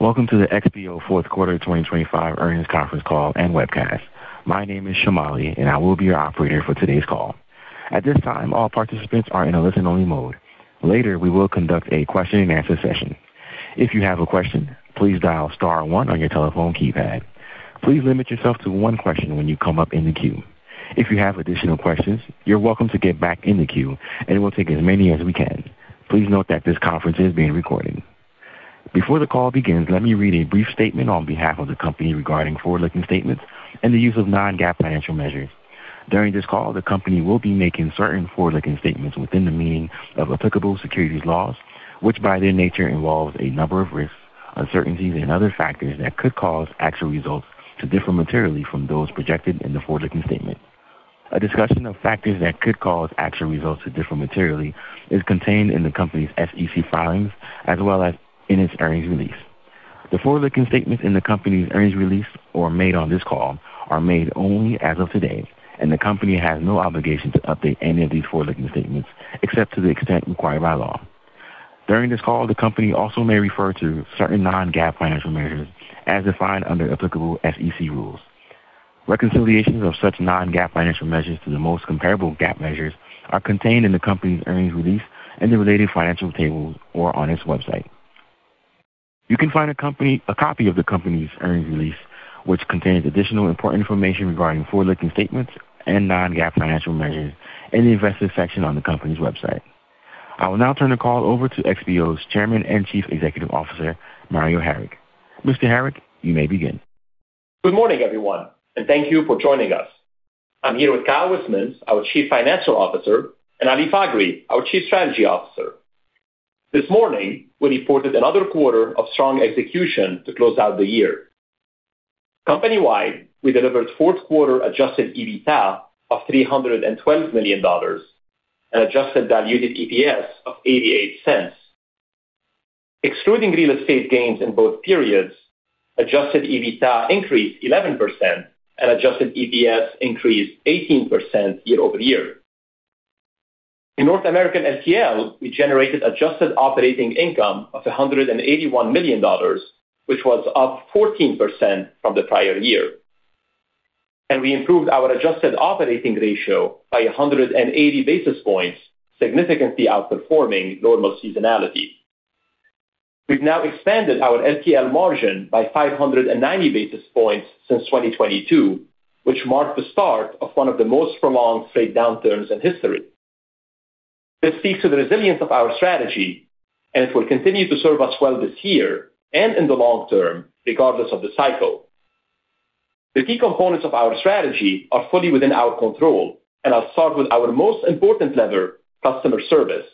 Welcome to the XPO fourth quarter 2025 earnings conference call and webcast. My name is Shamali, and I will be your operator for today's call. At this time, all participants are in a listen-only mode. Later, we will conduct a question-and-answer session. If you have a question, please dial star one on your telephone keypad. Please limit yourself to one question when you come up in the queue. If you have additional questions, you're welcome to get back in the queue, and we'll take as many as we can. Please note that this conference is being recorded. Before the call begins, let me read a brief statement on behalf of the company regarding forward-looking statements and the use of non-GAAP financial measures. During this call, the company will be making certain forward-looking statements within the meaning of applicable securities laws, which by their nature involves a number of risks, uncertainties, and other factors that could cause actual results to differ materially from those projected in the forward-looking statement. A discussion of factors that could cause actual results to differ materially is contained in the company's SEC filings as well as in its earnings release. The forward-looking statements in the company's earnings release, or made on this call, are made only as of today, and the company has no obligation to update any of these forward-looking statements except to the extent required by law. During this call, the company also may refer to certain non-GAAP financial measures as defined under applicable SEC rules. Reconciliations of such non-GAAP financial measures to the most comparable GAAP measures are contained in the company's earnings release and the related financial tables or on its website. You can find a copy of the company's earnings release, which contains additional important information regarding forward-looking statements and non-GAAP financial measures, in the investors section on the company's website. I will now turn the call over to XPO's Chairman and Chief Executive Officer, Mario Harik. Mr. Harik, you may begin. Good morning, everyone, and thank you for joining us. I'm here with Kyle Wismans, our Chief Financial Officer, and Ali Faghri, our Chief Strategy Officer. This morning, we reported another quarter of strong execution to close out the year. Company-wide, we delivered fourth quarter Adjusted EBITDA of $312 million and Adjusted Diluted EPS of $0.88. Excluding real estate gains in both periods, Adjusted EBITDA increased 11%, and adjusted EPS increased 18% year-over-year. In North American LTL, we generated Adjusted Operating Income of $181 million, which was up 14% from the prior year. We improved our Adjusted Operating Ratio by 180 basis points, significantly outperforming normal seasonality. We've now expanded our LTL margin by 590 basis points since 2022, which marked the start of one of the most prolonged trade downturns in history. This speaks to the resilience of our strategy, and it will continue to serve us well this year and in the long term, regardless of the cycle. The key components of our strategy are fully within our control, and I'll start with our most important lever, customer service.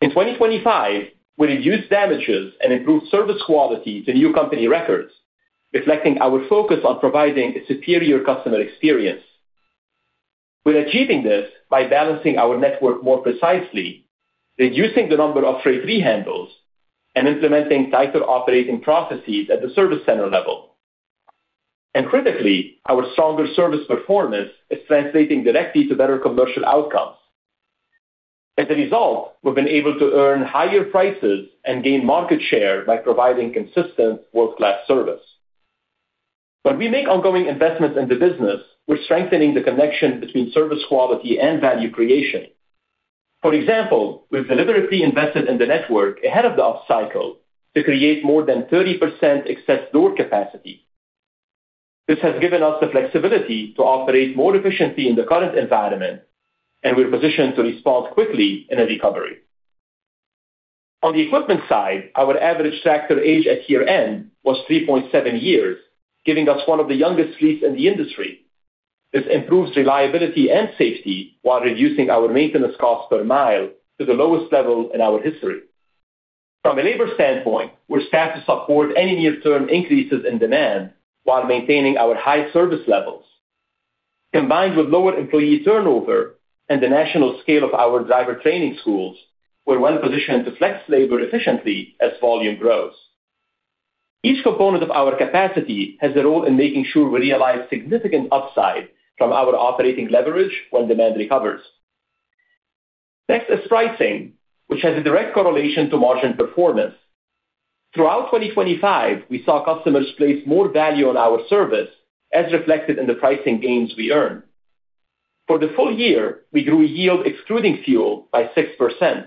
In 2025, we reduced damages and improved service quality to new company records, reflecting our focus on providing a superior customer experience. We're achieving this by balancing our network more precisely, reducing the number of freight rehandles, and implementing tighter operating processes at the service center level. Critically, our stronger service performance is translating directly to better commercial outcomes. As a result, we've been able to earn higher prices and gain market share by providing consistent world-class service. When we make ongoing investments in the business, we're strengthening the connection between service quality and value creation. For example, we've deliberately invested in the network ahead of the upcycle to create more than 30% excess door capacity. This has given us the flexibility to operate more efficiently in the current environment, and we're positioned to respond quickly in a recovery. On the equipment side, our average tractor age at year-end was 3.7 years, giving us one of the youngest fleets in the industry. This improves reliability and safety while reducing our maintenance cost per mile to the lowest level in our history. From a labor standpoint, we're staffed to support any near-term increases in demand while maintaining our high service levels. Combined with lower employee turnover and the national scale of our driver training schools, we're well positioned to flex labor efficiently as volume grows. Each component of our capacity has a role in making sure we realize significant upside from our operating leverage when demand recovers. Next is pricing, which has a direct correlation to margin performance. Throughout 2025, we saw customers place more value on our service, as reflected in the pricing gains we earned. For the full year, we grew yield excluding fuel by 6%.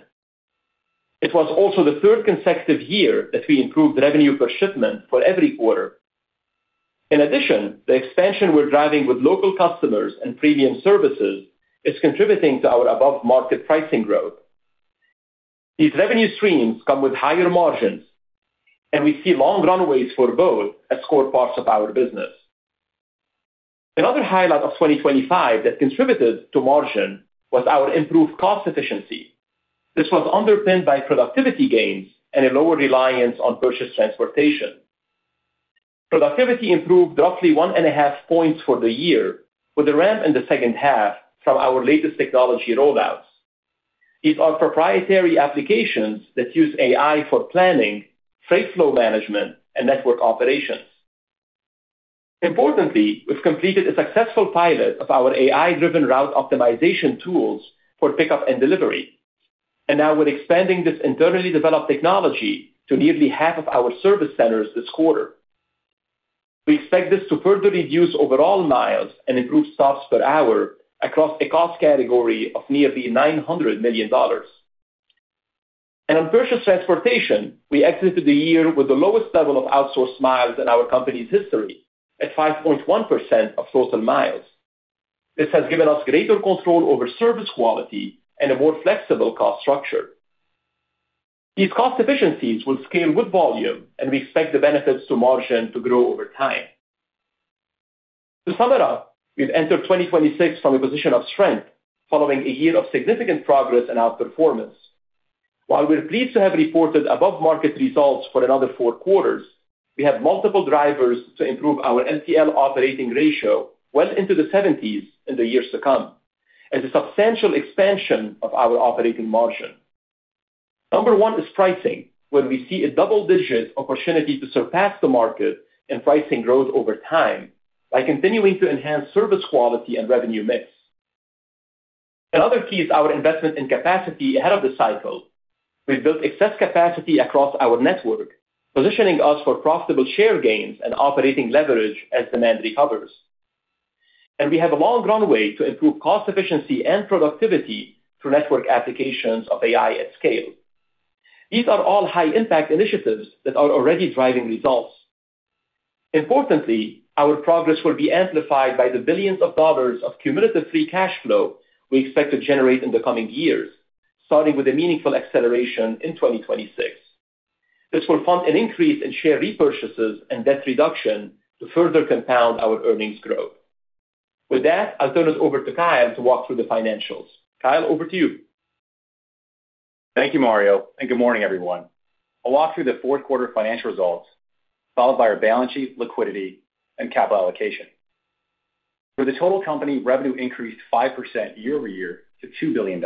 It was also the third consecutive year that we improved revenue per shipment for every quarter. In addition, the expansion we're driving with local customers and premium services is contributing to our above-market pricing growth. These revenue streams come with higher margins, and we see long runways for both as core parts of our business. Another highlight of 2025 that contributed to margin was our improved cost efficiency. This was underpinned by productivity gains and a lower reliance on purchased transportation. Productivity improved roughly 1.5 points for the year, with a ramp in the second half from our latest technology rollouts. These are proprietary applications that use AI for planning, freight flow management, and network operations. Importantly, we've completed a successful pilot of our AI-driven route optimization tools for pickup and delivery, and now we're expanding this internally developed technology to nearly half of our service centers this quarter. We expect this to further reduce overall miles and improve stops per hour across a cost category of nearly $900 million. On purchased transportation, we exited the year with the lowest level of outsourced miles in our company's history, at 5.1% of total miles. This has given us greater control over service quality and a more flexible cost structure. These cost efficiencies will scale with volume, and we expect the benefits to margin to grow over time. To sum it up, we've entered 2026 from a position of strength, following a year of significant progress in our performance. While we're pleased to have reported above-market results for another four quarters, we have multiple drivers to improve our LTL operating ratio well into the 70s in the years to come, as a substantial expansion of our operating margin. Number one is pricing, where we see a double-digit opportunity to surpass the market in pricing growth over time by continuing to enhance service quality and revenue mix. Another key is our investment in capacity ahead of the cycle. We've built excess capacity across our network, positioning us for profitable share gains and operating leverage as demand recovers. We have a long runway to improve cost efficiency and productivity through network applications of AI at scale. These are all high-impact initiatives that are already driving results. Importantly, our progress will be amplified by the billions of dollars of cumulative free cash flow we expect to generate in the coming years, starting with a meaningful acceleration in 2026. This will fund an increase in share repurchases and debt reduction to further compound our earnings growth. With that, I'll turn it over to Kyle to walk through the financials. Kyle, over to you. Thank you, Mario, and good morning, everyone. I'll walk through the fourth quarter financial results, followed by our balance sheet, liquidity, and capital allocation. For the total company, revenue increased 5% year-over-year to $2 billion.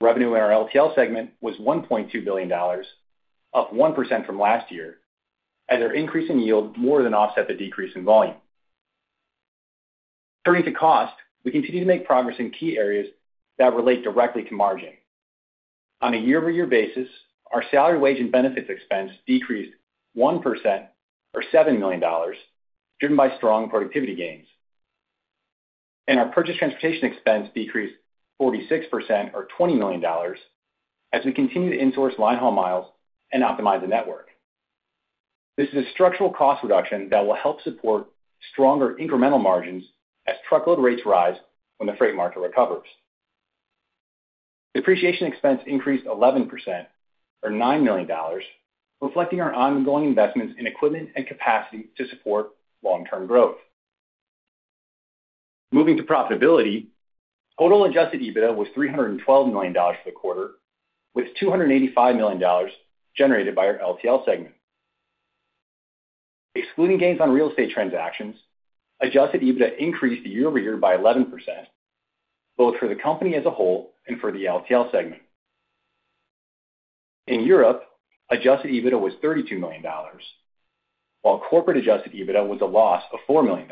Revenue in our LTL segment was $1.2 billion, up 1% from last year, as our increase in yield more than offset the decrease in volume. Turning to cost, we continue to make progress in key areas that relate directly to margin. On a year-over-year basis, our salary wage and benefits expense decreased 1%, or $7 million, driven by strong productivity gains. Our purchased transportation expense decreased 46%, or $20 million, as we continue to insource linehaul miles and optimize the network. This is a structural cost reduction that will help support stronger incremental margins as truckload rates rise when the freight market recovers. Depreciation expense increased 11%, or $9 million, reflecting our ongoing investments in equipment and capacity to support long-term growth. Moving to profitability, total adjusted EBITDA was $312 million for the quarter, with $285 million generated by our LTL segment. Excluding gains on real estate transactions, adjusted EBITDA increased year-over-year by 11%, both for the company as a whole and for the LTL segment. In Europe, adjusted EBITDA was $32 million, while corporate adjusted EBITDA was a loss of $4 million.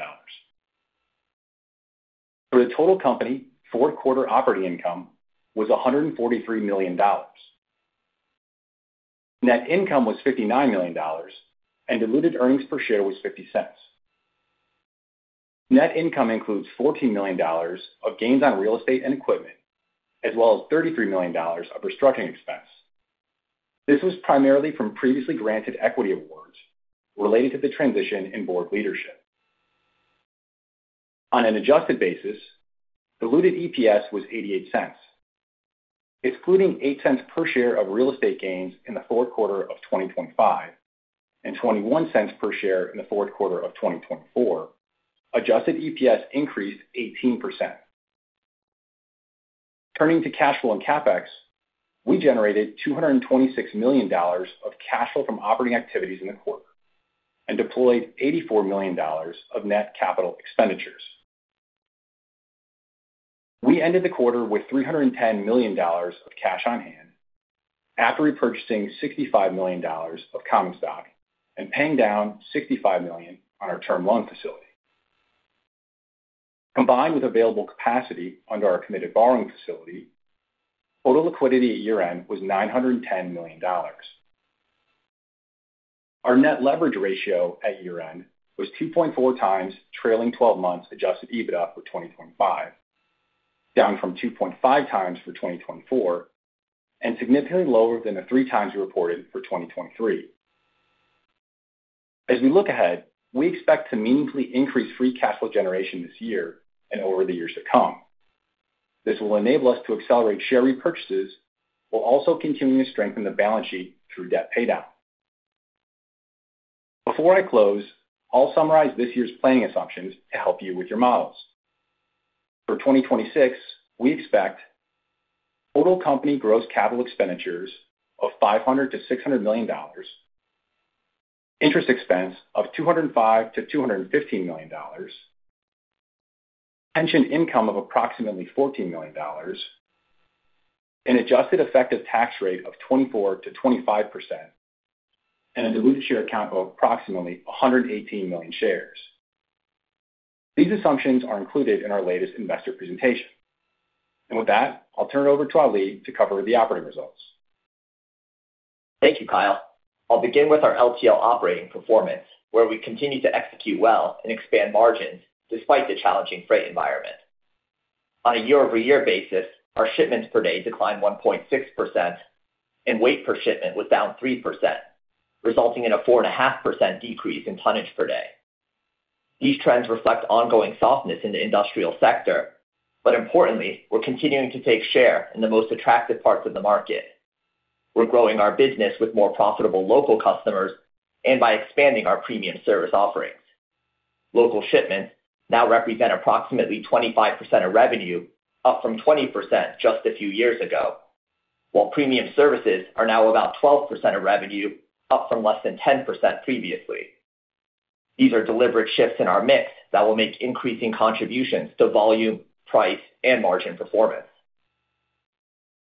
For the total company, fourth quarter operating income was $143 million. Net income was $59 million, and diluted earnings per share was $0.50. Net income includes $14 million of gains on real estate and equipment, as well as $33 million of restructuring expense. This was primarily from previously granted equity awards related to the transition in board leadership. On an adjusted basis, diluted EPS was $0.88. Excluding $0.08 per share of real estate gains in the fourth quarter of 2025 and $0.21 per share in the fourth quarter of 2024, Adjusted EPS increased 18%. Turning to cash flow and CapEx, we generated $226 million of cash flow from operating activities in the quarter and deployed $84 million of net capital expenditures. We ended the quarter with $310 million of cash on hand after repurchasing $65 million of common stock and paying down $65 million on our term loan facility. Combined with available capacity under our committed borrowing facility, total liquidity at year-end was $910 million. Our net leverage ratio at year-end was 2.4x trailing 12 months Adjusted EBITDA for 2025, down from 2.5x for 2024, and significantly lower than the three times we reported for 2023. As we look ahead, we expect to meaningfully increase free cash flow generation this year and over the years to come. This will enable us to accelerate share repurchases while also continuing to strengthen the balance sheet through debt paydown. Before I close, I'll summarize this year's planning assumptions to help you with your models. For 2026, we expect total company gross capital expenditures of $500-$600 million, interest expense of $205-$215 million, pension income of approximately $14 million, an adjusted effective tax rate of 24%-25%, and a diluted share count of approximately 118 million shares. These assumptions are included in our latest investor presentation. With that, I'll turn it over to Ali to cover the operating results. Thank you, Kyle. I'll begin with our LTL operating performance, where we continue to execute well and expand margins despite the challenging freight environment. On a year-over-year basis, our shipments per day declined 1.6%, and weight per shipment was down 3%, resulting in a 4.5% decrease in tonnage per day. These trends reflect ongoing softness in the industrial sector, but importantly, we're continuing to take share in the most attractive parts of the market. We're growing our business with more profitable local customers and by expanding our premium service offerings. Local shipments now represent approximately 25% of revenue, up from 20% just a few years ago, while premium services are now about 12% of revenue, up from less than 10% previously. These are deliberate shifts in our mix that will make increasing contributions to volume, price, and margin performance.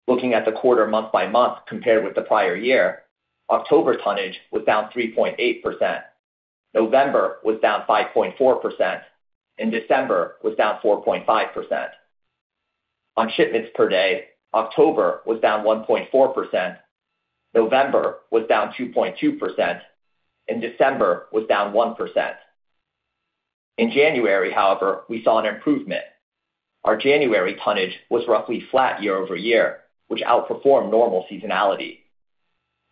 Looking at the quarter month-by-month compared with the prior year, October tonnage was down 3.8%, November was down 5.4%, and December was down 4.5%. On shipments per day, October was down 1.4%, November was down 2.2%, and December was down 1%. In January, however, we saw an improvement. Our January tonnage was roughly flat year-over-year, which outperformed normal seasonality.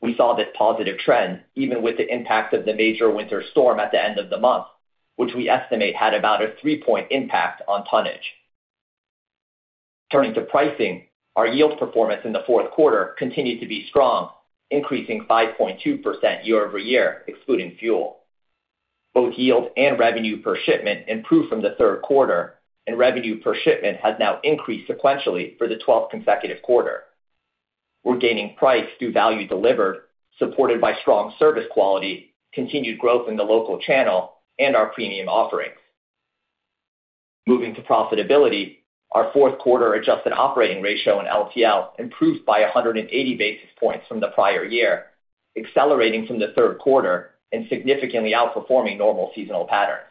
We saw this positive trend even with the impact of the major winter storm at the end of the month, which we estimate had about a three point impact on tonnage. Turning to pricing, our yield performance in the fourth quarter continued to be strong, increasing 5.2% year-over-year excluding fuel. Both yield and revenue per shipment improved from the third quarter, and revenue per shipment has now increased sequentially for the 12th consecutive quarter. We're gaining price through value delivered, supported by strong service quality, continued growth in the local channel, and our premium offerings. Moving to profitability, our fourth quarter adjusted operating ratio in LTL improved by 180 basis points from the prior year, accelerating from the third quarter and significantly outperforming normal seasonal patterns.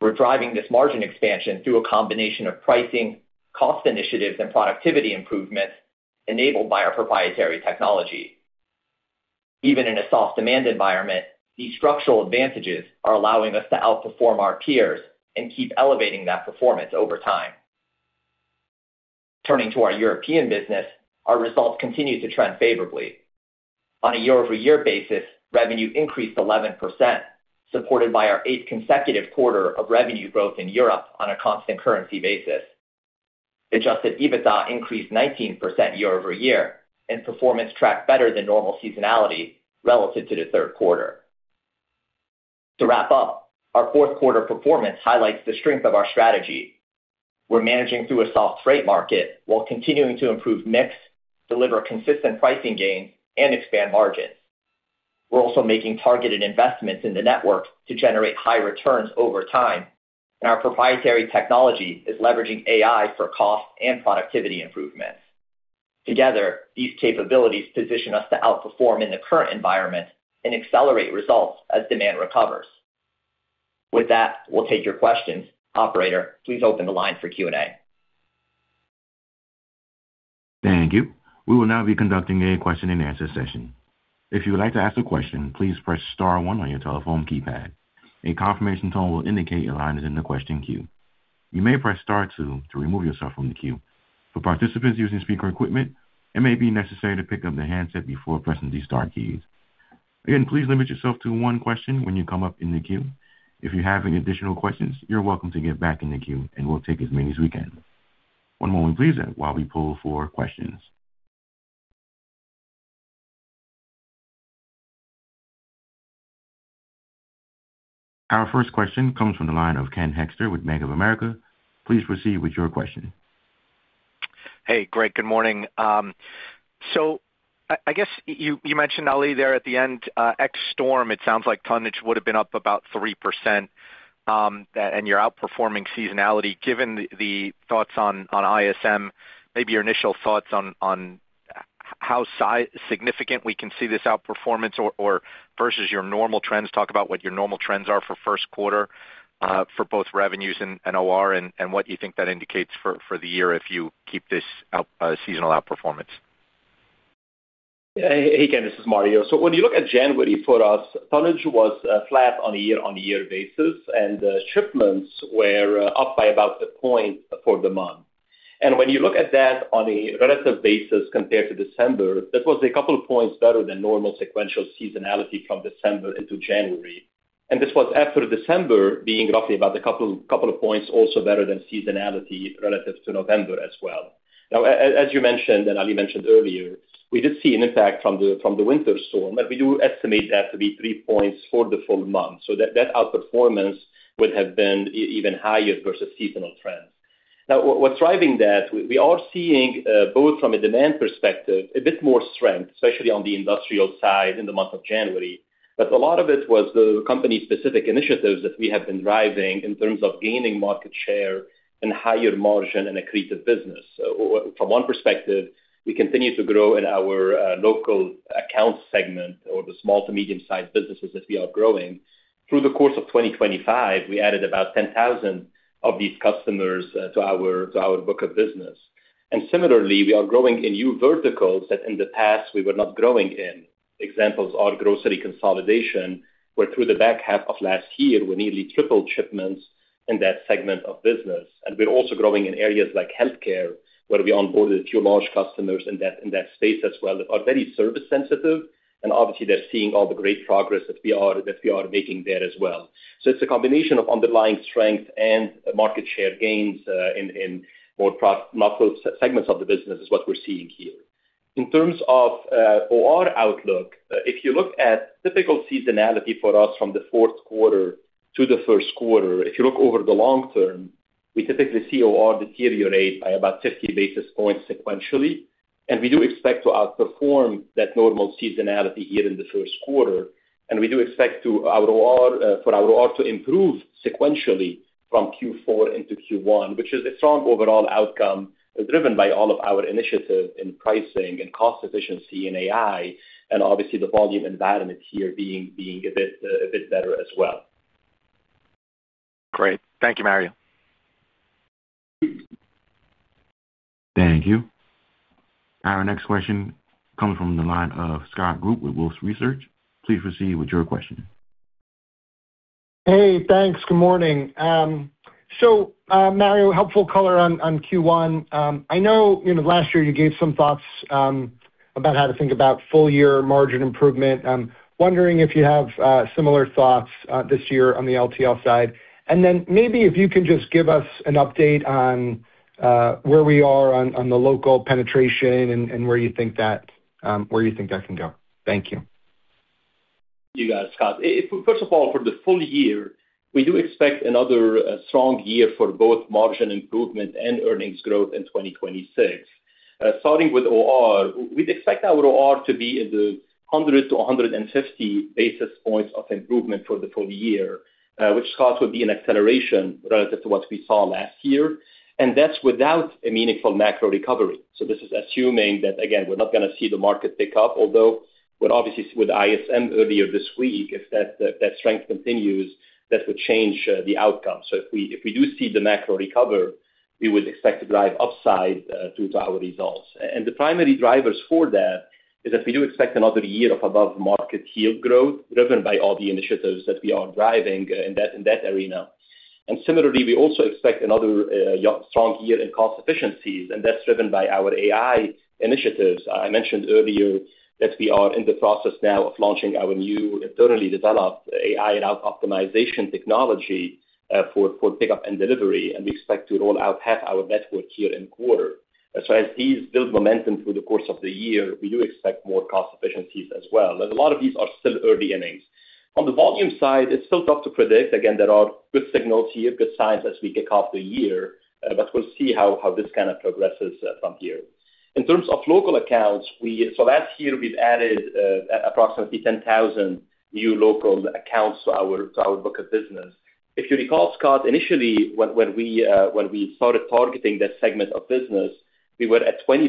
We're driving this margin expansion through a combination of pricing, cost initiatives, and productivity improvements enabled by our proprietary technology. Even in a soft demand environment, these structural advantages are allowing us to outperform our peers and keep elevating that performance over time. Turning to our European business, our results continue to trend favorably. On a year-over-year basis, revenue increased 11%, supported by our eighth consecutive quarter of revenue growth in Europe on a constant currency basis. Adjusted EBITDA increased 19% year-over-year, and performance tracked better than normal seasonality relative to the third quarter. To wrap up, our fourth quarter performance highlights the strength of our strategy. We're managing through a soft freight market while continuing to improve mix, deliver consistent pricing gains, and expand margins. We're also making targeted investments in the network to generate high returns over time, and our proprietary technology is leveraging AI for cost and productivity improvements. Together, these capabilities position us to outperform in the current environment and accelerate results as demand recovers. With that, we'll take your questions. Operator, please open the line for Q&A. Thank you. We will now be conducting a question-and-answer session. If you would like to ask a question, please press star one on your telephone keypad. A confirmation tone will indicate your line is in the question queue. You may press star two to remove yourself from the queue. For participants using speaker equipment, it may be necessary to pick up the handset before pressing the star keys. Again, please limit yourself to one question when you come up in the queue. If you have any additional questions, you're welcome to get back in the queue, and we'll take as many as we can. One moment, please, while we pull for questions. Our first question comes from the line of Ken Hoexter with Bank of America. Please proceed with your question. Hey, Greg, good morning. So I guess you mentioned, Ali, there at the end, ex-storm. It sounds like tonnage would have been up about 3% and you're outperforming seasonality. Given the thoughts on ISM, maybe your initial thoughts on how significant we can see this outperformance versus your normal trends? Talk about what your normal trends are for first quarter for both revenues and OR and what you think that indicates for the year if you keep this seasonal outperformance? Hey, Ken. This is Mario. So when you look at January for us, tonnage was flat on a year-on-year basis, and shipments were up by about one point for the month. And when you look at that on a relative basis compared to December, that was a couple of points better than normal sequential seasonality from December into January. And this was after December being roughly about a couple of points also better than seasonality relative to November as well. Now, as you mentioned and Ali mentioned earlier, we did see an impact from the winter storm, and we do estimate that to be three points for the full month. So that outperformance would have been even higher versus seasonal trends. Now, what's driving that? We are seeing both from a demand perspective a bit more strength, especially on the industrial side in the month of January, but a lot of it was the company-specific initiatives that we have been driving in terms of gaining market share and higher margin and a creative business. From one perspective, we continue to grow in our local account segment or the small to medium-sized businesses that we are growing. Through the course of 2025, we added about 10,000 of these customers to our book of business. And similarly, we are growing in new verticals that in the past we were not growing in. Examples are grocery consolidation, where through the back half of last year, we nearly tripled shipments in that segment of business. We're also growing in areas like healthcare, where we onboarded a few large customers in that space as well that are very service-sensitive, and obviously, they're seeing all the great progress that we are making there as well. It's a combination of underlying strength and market share gains in more profitable segments of the business is what we're seeing here. In terms of OR outlook, if you look at typical seasonality for us from the fourth quarter to the first quarter, if you look over the long term, we typically see OR deteriorate by about 50 basis points sequentially. We do expect to outperform that normal seasonality here in the first quarter. We do expect for our OR to improve sequentially from Q4 into Q1, which is a strong overall outcome driven by all of our initiatives in pricing and cost efficiency in AI and obviously the volume environment here being a bit better as well. Great. Thank you, Mario. Thank you. Our next question comes from the line of Scott Group with Wolfe Research. Please proceed with your question. Hey, thanks. Good morning. So Mario, helpful color on Q1. I know last year you gave some thoughts about how to think about full-year margin improvement. Wondering if you have similar thoughts this year on the LTL side. And then maybe if you can just give us an update on where we are on the local penetration and where you think that can go. Thank you. You guys, Scott. First of all, for the full year, we do expect another strong year for both margin improvement and earnings growth in 2026. Starting with OR, we'd expect our OR to be in the 100-150 basis points of improvement for the full year, which, Scott, would be an acceleration relative to what we saw last year. That's without a meaningful macro recovery. This is assuming that, again, we're not going to see the market pick up, although obviously, with ISM earlier this week, if that strength continues, that would change the outcome. If we do see the macro recover, we would expect to drive upside due to our results. The primary drivers for that is that we do expect another year of above-market yield growth driven by all the initiatives that we are driving in that arena. Similarly, we also expect another strong year in cost efficiencies, and that's driven by our AI initiatives. I mentioned earlier that we are in the process now of launching our new internally developed AI and optimization technology for pickup and delivery, and we expect to roll out half our network here in quarter. So as these build momentum through the course of the year, we do expect more cost efficiencies as well. And a lot of these are still early innings. On the volume side, it's still tough to predict. Again, there are good signals here, good signs as we kick off the year, but we'll see how this kind of progresses from here. In terms of local accounts, so last year, we've added approximately 10,000 new local accounts to our book of business. If you recall, Scott, initially, when we started targeting that segment of business, we were at 20%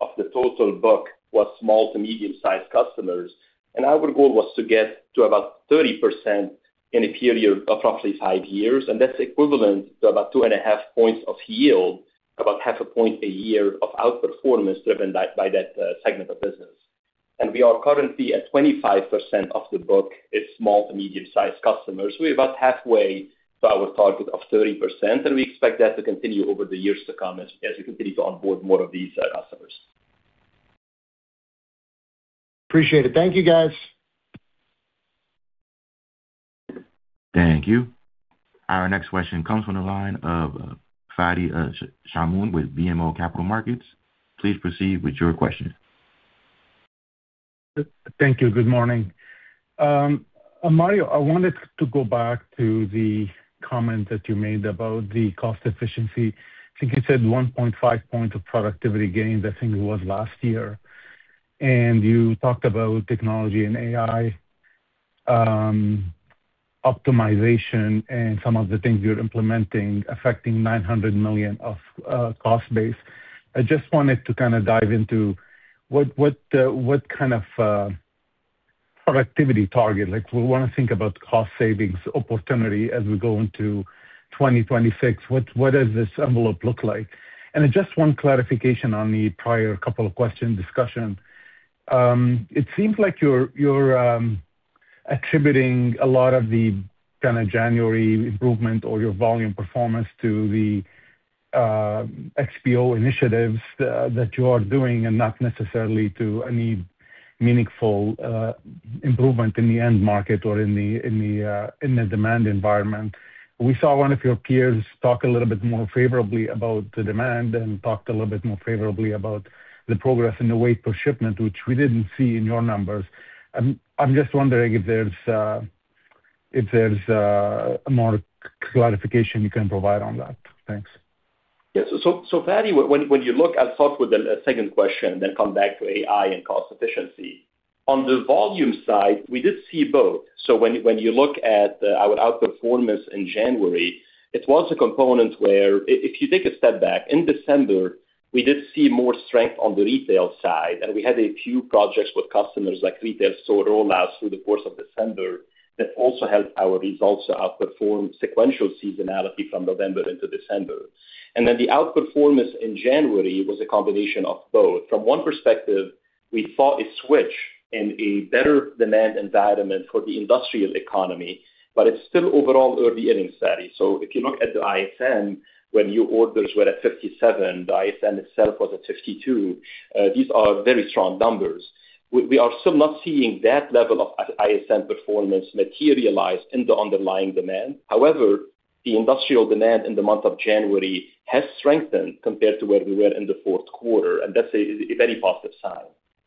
of the total book was small to medium-sized customers. Our goal was to get to about 30% in a period of roughly five years. That's equivalent to about 2.5 points of yield, about 0.5 point a year of outperformance driven by that segment of business. We are currently at 25% of the book is small to medium-sized customers. We're about halfway to our target of 30%, and we expect that to continue over the years to come as we continue to onboard more of these customers. Appreciate it. Thank you, guys. Thank you. Our next question comes from the line of Fadi Chamoun with BMO Capital Markets. Please proceed with your question. Thank you. Good morning. Mario, I wanted to go back to the comment that you made about the cost efficiency. I think you said 1.5 points of productivity gain, I think it was last year. And you talked about technology and AI optimization and some of the things you're implementing affecting $900 million of cost base. I just wanted to kind of dive into what kind of productivity target we want to think about cost savings opportunity as we go into 2026. What does this envelope look like? And just one clarification on the prior couple of questions discussion. It seems like you're attributing a lot of the kind of January improvement or your volume performance to the XPO initiatives that you are doing and not necessarily to any meaningful improvement in the end market or in the demand environment. We saw one of your peers talk a little bit more favorably about the demand and talked a little bit more favorably about the progress in the weight per shipment, which we didn't see in your numbers. I'm just wondering if there's more clarification you can provide on that. Thanks. Yeah. So Fadi, when you look I thought with the second question and then come back to AI and cost efficiency. On the volume side, we did see both. So when you look at our outperformance in January, it was a component where if you take a step back, in December, we did see more strength on the retail side, and we had a few projects with customers like retail store rollouts through the course of December that also helped our results outperform sequential seasonality from November into December. And then the outperformance in January was a combination of both. From one perspective, we saw a switch in a better demand environment for the industrial economy, but it's still overall early innings, Fadi. So if you look at the ISM, when your orders were at 57, the ISM itself was at 52. These are very strong numbers. We are still not seeing that level of ISM performance materialize in the underlying demand. However, the industrial demand in the month of January has strengthened compared to where we were in the fourth quarter, and that's a very positive sign.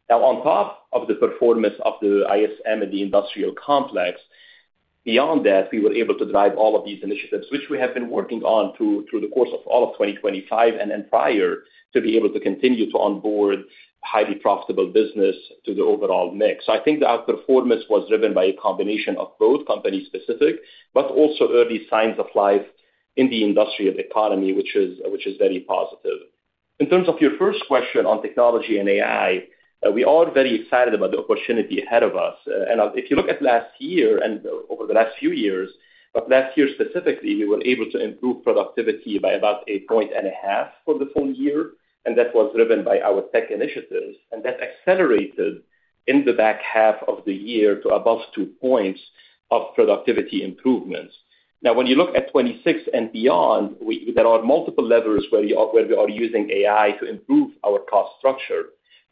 Now, on top of the performance of the ISM and the industrial complex, beyond that, we were able to drive all of these initiatives, which we have been working on through the course of all of 2025 and prior, to be able to continue to onboard highly profitable business to the overall mix. I think the outperformance was driven by a combination of both company-specific but also early signs of life in the industrial economy, which is very positive. In terms of your first question on technology and AI, we are very excited about the opportunity ahead of us. If you look at last year and over the last few years, but last year specifically, we were able to improve productivity by about 1.5 points for the full year, and that was driven by our tech initiatives. That accelerated in the back half of the year to above two points of productivity improvements. Now, when you look at 2026 and beyond, there are multiple levers where we are using AI to improve our cost structure.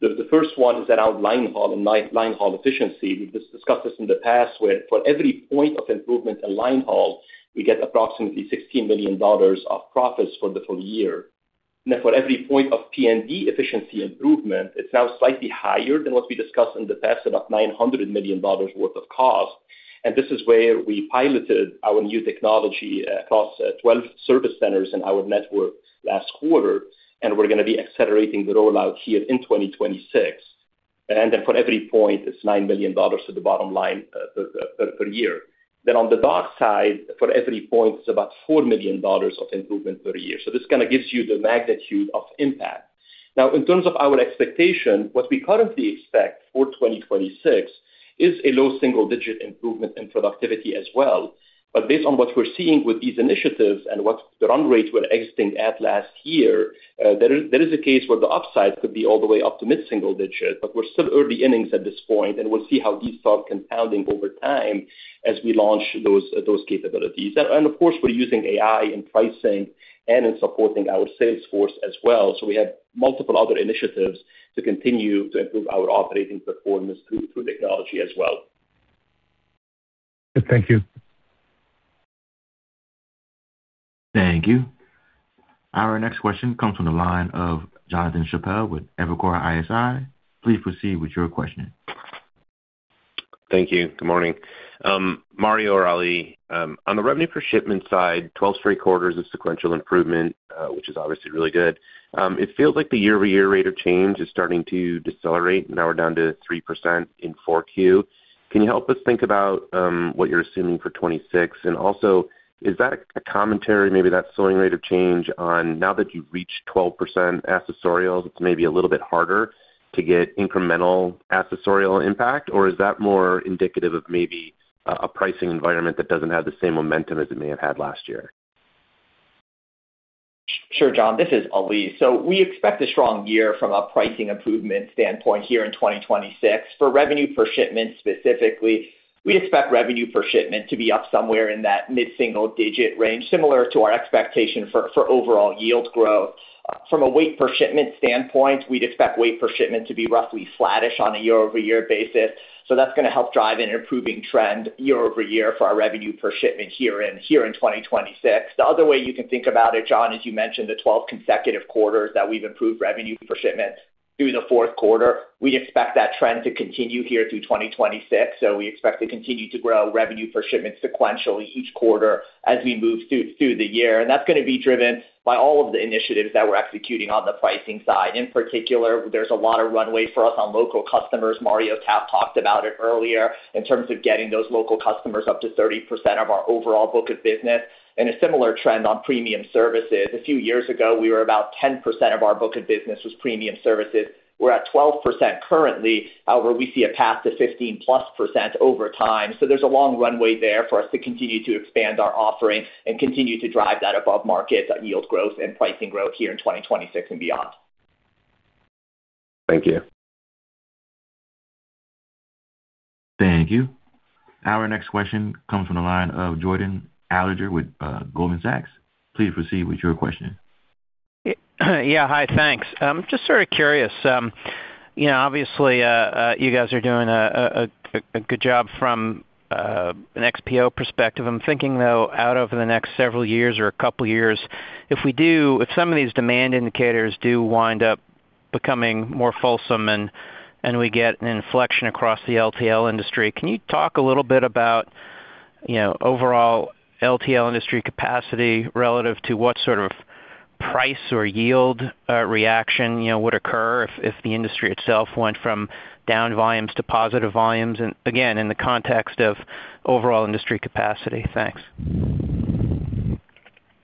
The first one is around line haul and line haul efficiency. We've discussed this in the past where for every point of improvement in line haul, we get approximately $16 million of profits for the full year. Now, for every point of P&D efficiency improvement, it's now slightly higher than what we discussed in the past, about $900 million worth of cost. This is where we piloted our new technology across 12 service centers in our network last quarter, and we're going to be accelerating the rollout here in 2026. Then for every point, it's $9 million to the bottom line per year. On the dock side, for every point, it's about $4 million of improvement per year. This kind of gives you the magnitude of impact. Now, in terms of our expectation, what we currently expect for 2026 is a low single-digit improvement in productivity as well. But based on what we're seeing with these initiatives and what the run rate we're exiting at last year, there is a case where the upside could be all the way up to mid-single digit, but we're still early innings at this point, and we'll see how these start compounding over time as we launch those capabilities. Of course, we're using AI in pricing and in supporting our sales force as well. We have multiple other initiatives to continue to improve our operating performance through technology as well. Good. Thank you. Thank you. Our next question comes from the line of Jonathan Chappell with Evercore ISI. Please proceed with your question. Thank you. Good morning. Mario or Ali, on the revenue per shipment side, 12 straight quarters of sequential improvement, which is obviously really good. It feels like the year-over-year rate of change is starting to decelerate, and now we're down to 3% in 4Q. Can you help us think about what you're assuming for 2026? And also, is that a commentary? Maybe that slowing rate of change on now that you've reached 12% accessorials, it's maybe a little bit harder to get incremental accessorial impact, or is that more indicative of maybe a pricing environment that doesn't have the same momentum as it may have had last year? Sure, John. This is Ali. So we expect a strong year from a pricing improvement standpoint here in 2026. For revenue per shipment specifically, we expect revenue per shipment to be up somewhere in that mid-single digit range, similar to our expectation for overall yield growth. From a weight per shipment standpoint, we'd expect weight per shipment to be roughly flatish on a year-over-year basis. So that's going to help drive an improving trend year-over-year for our revenue per shipment here in 2026. The other way you can think about it, John, is you mentioned the 12 consecutive quarters that we've improved revenue per shipment through the fourth quarter. We expect that trend to continue here through 2026. So we expect to continue to grow revenue per shipment sequentially each quarter as we move through the year. That's going to be driven by all of the initiatives that we're executing on the pricing side. In particular, there's a lot of runway for us on local customers. Mario Harik talked about it earlier in terms of getting those local customers up to 30% of our overall book of business. A similar trend on premium services. A few years ago, we were about 10% of our book of business was premium services. We're at 12% currently. However, we see a path to 15%+ over time. There's a long runway there for us to continue to expand our offering and continue to drive that above-market yield growth and pricing growth here in 2026 and beyond. Thank you. Thank you. Our next question comes from the line of Jordan Alliger with Goldman Sachs. Please proceed with your question. Yeah. Hi. Thanks. Just sort of curious. Obviously, you guys are doing a good job from an XPO perspective. I'm thinking, though, out over the next several years or a couple of years, if some of these demand indicators do wind up becoming more fulsome and we get an inflection across the LTL industry, can you talk a little bit about overall LTL industry capacity relative to what sort of price or yield reaction would occur if the industry itself went from down volumes to positive volumes, again, in the context of overall industry capacity? Thanks.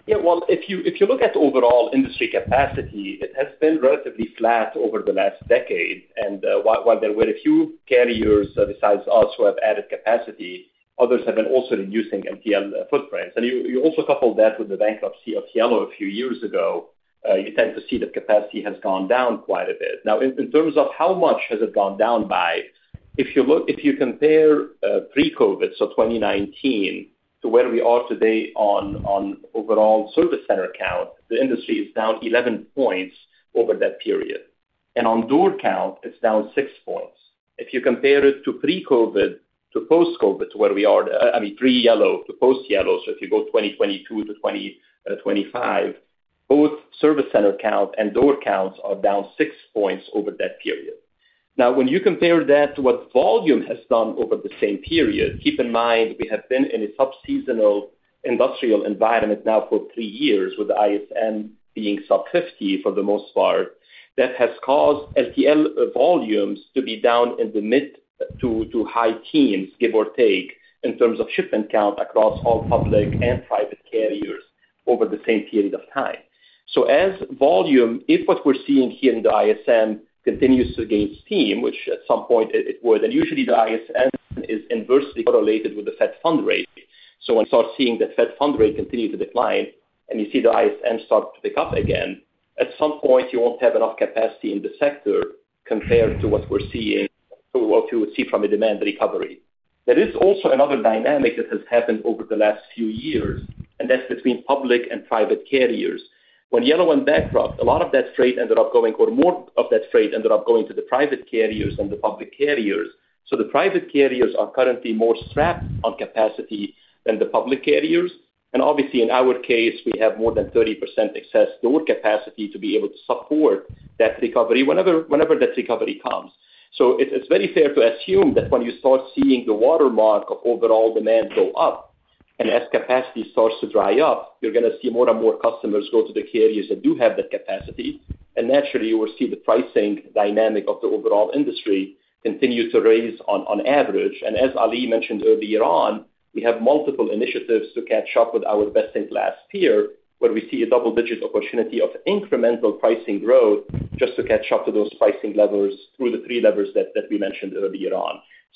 Yeah. Well, if you look at overall industry capacity, it has been relatively flat over the last decade. And while there were a few carriers besides us who have added capacity, others have been also reducing LTL footprints. And you also coupled that with the bankruptcy of Yellow a few years ago. You tend to see that capacity has gone down quite a bit. Now, in terms of how much has it gone down by, if you compare pre-COVID, so 2019, to where we are today on overall service center count, the industry is down 11 points over that period. And on door count, it's down six points. If you compare it to pre-COVID, to post-COVID, to where we are I mean, pre-Yellow to post-Yellow, so if you go 2022 to 2025, both service center count and door counts are down six points over that period. Now, when you compare that to what volume has done over the same period, keep in mind we have been in a subseasonal industrial environment now for three years with the ISM being sub 50 for the most part. That has caused LTL volumes to be down in the mid to high teens, give or take, in terms of shipment count across all public and private carriers over the same period of time. So as volume if what we're seeing here in the ISM continues to gain steam, which at some point it would, and usually the ISM is inversely correlated with the Fed funds rate. So when you start seeing that Fed funds rate continue to decline and you see the ISM start to pick up again, at some point, you won't have enough capacity in the sector compared to what we're seeing or what you would see from a demand recovery. There is also another dynamic that has happened over the last few years, and that's between public and private carriers. When Yellow went bankrupt, a lot of that freight ended up going or more of that freight ended up going to the private carriers than the public carriers. So the private carriers are currently more strapped on capacity than the public carriers. And obviously, in our case, we have more than 30% excess door capacity to be able to support that recovery whenever that recovery comes. So it's very fair to assume that when you start seeing the watermark of overall demand go up and as capacity starts to dry up, you're going to see more and more customers go to the carriers that do have that capacity. Naturally, you will see the pricing dynamic of the overall industry continue to rise on average. As Ali mentioned earlier, we have multiple initiatives to catch up with our best in class here where we see a double-digit opportunity of incremental pricing growth just to catch up to those pricing levels through the three levers that we mentioned earlier.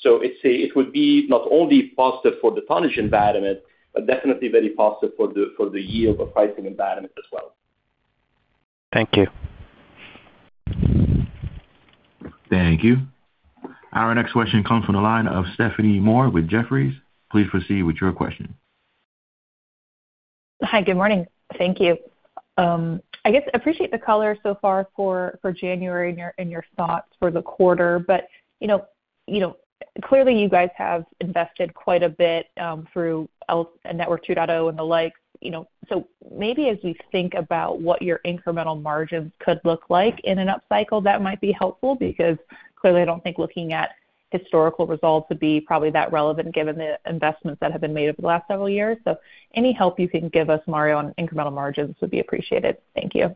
So it would be not only positive for the tonnage environment but definitely very positive for the yield or pricing environment as well. Thank you. Thank you. Our next question comes from the line of Stephanie Moore with Jefferies. Please proceed with your question. Hi. Good morning. Thank you. I guess appreciate the color so far for January and your thoughts for the quarter. Clearly, you guys have invested quite a bit through Network 2.0 and the likes. Maybe as we think about what your incremental margins could look like in an upcycle, that might be helpful because clearly, I don't think looking at historical results would be probably that relevant given the investments that have been made over the last several years. Any help you can give us, Mario, on incremental margins would be appreciated. Thank you.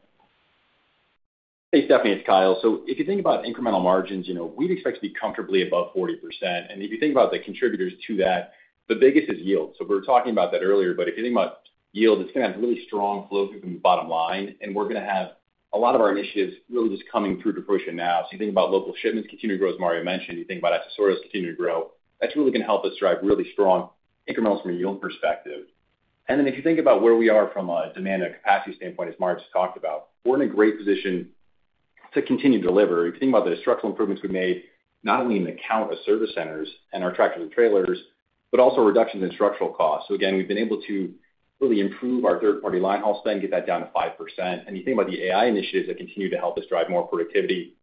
Hey, Stephanie. It's Kyle. So if you think about incremental margins, we'd expect to be comfortably above 40%. And if you think about the contributors to that, the biggest is yield. So we were talking about that earlier. But if you think about yield, it's going to have really strong flows in the bottom line, and we're going to have a lot of our initiatives really just coming through the door now. So you think about local shipments continuing to grow, as Mario mentioned. You think about accessorials continuing to grow. That's really going to help us drive really strong increments from a yield perspective. And then if you think about where we are from a demand and capacity standpoint, as Mario just talked about, we're in a great position to continue to deliver. If you think about the structural improvements we've made, not only in the count of service centers and our tractors and trailers but also reductions in structural costs. So again, we've been able to really improve our third-party line haul spend, get that down to 5%. And you think about the AI initiatives that continue to help us drive more productivity